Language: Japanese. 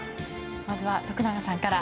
まずは、徳永さんから。